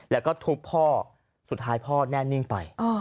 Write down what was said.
แล้วก็ทุบพ่อสุดท้ายพ่อแน่นิ่งไป